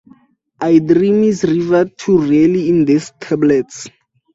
Idrimi is referred to rarely in these tablets.